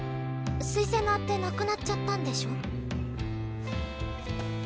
推薦の当てなくなっちゃったんでしょ？